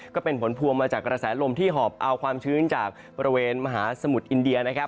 ก็เป็นผลพวงมาจากกระแสลมที่หอบเอาความชื้นจากบริเวณมหาสมุทรอินเดียนะครับ